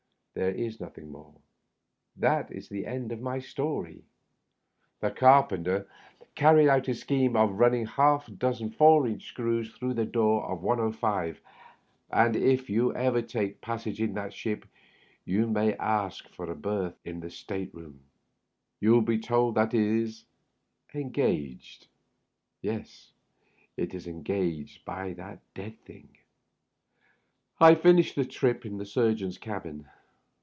There is nothing more. That is the end of my story. The carpenter carried out his scheme of running half a dozen four inch screws through the door of 105; and if ever you take a passage in the Kamtschathay you may ask for a berth in that state room. Tou will be told that it is engaged — yes — ^it is engaged by that dead thing. I finished the trip in the surgeon's cabin.